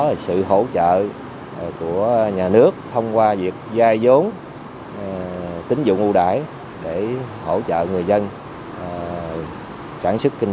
là sự hỗ trợ của nhà nước thông qua việc giai giống tín dụng ưu đãi để hỗ trợ người dân sản sức kinh